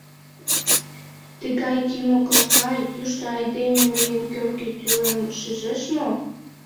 Тыгай кӱ моклака, йӱштӧ айдеме мыйын кӧргӧ тӱлем шижеш мо?..